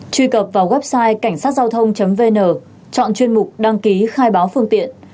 truy cập vào website ksg vn chọn chuyên mục đăng ký khai báo phương tiện